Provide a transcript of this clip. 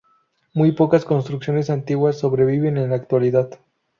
Muy pocas construcciones antiguas sobreviven en la actualidad.